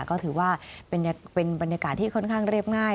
ก็ถือว่าเป็นบรรยากาศที่ค่อนข้างเรียบง่าย